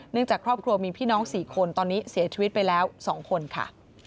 จากครอบครัวมีพี่น้อง๔คนตอนนี้เสียชีวิตไปแล้ว๒คนค่ะ